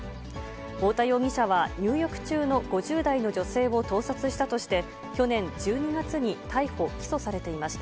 太田容疑者は入浴中の５０代の女性を盗撮したとして去年１２月に逮捕・起訴されていました。